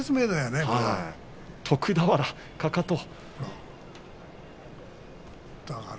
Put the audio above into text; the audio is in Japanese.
徳俵にかかと。